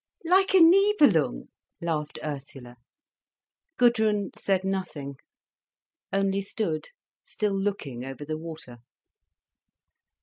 "Like a Nibelung," laughed Ursula. Gudrun said nothing, only stood still looking over the water.